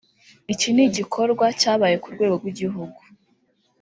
Iki ni igikorwa cyabaye ku rwego rw’igihugu